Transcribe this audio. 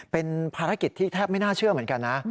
เป็นภารกิจที่แทบไม่น่าเชื่อเหมือนกันนะ